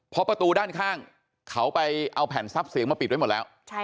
เพราะประตูด้านข้างเขาไปเอาแผ่นทรัพย์เสียงมาปิดไว้หมดแล้ว